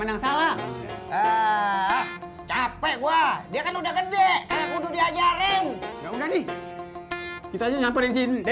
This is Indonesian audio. mana yang salah capek gua dia kan udah gede udah nih kita aja ngamperin sini